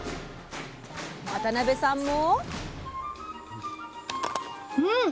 渡辺さんも？